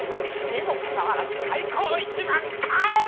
にもかかわらず開口一番帰れ！